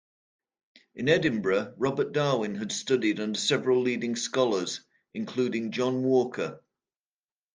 In Edinburgh Robert Darwin had studied under several leading scholars, including John Walker.